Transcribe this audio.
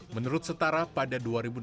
menurut setara pada dua ribu delapan belas